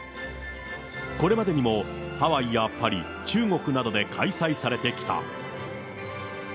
これまでにもハワイやパリ、中国などで開催されてきた。